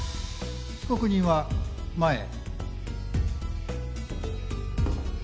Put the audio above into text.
被告人は前へ。